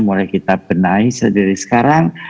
mulai kita benahi sendiri sekarang